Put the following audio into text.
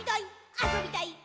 あそびたいっ！！」